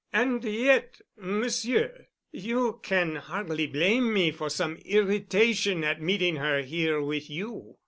"And yet, Monsieur, you can hardly blame me for some irritation at meeting her here with you."